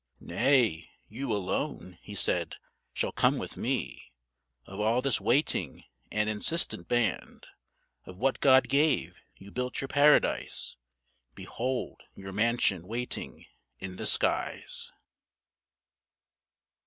"Nay, you alone," he said, "shall come with me, Of all this waiting and insistent band. Of what God gave, you built your paradise; Behold your mansion waiting in the skies."